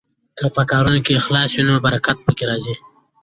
که په کارونو کې اخلاص وي نو برکت پکې راځي.